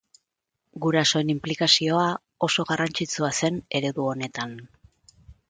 Gurasoen inplikazioa oso garrantzitsua zen eredu honetan.